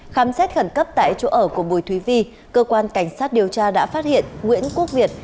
khám xét khẩn cấp tại chỗ ở của bùi thúy vi cơ quan cảnh sát điều tra đã phát hiện nguyễn quốc việt